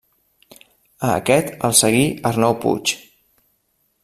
A aquest el seguí Arnau Puig.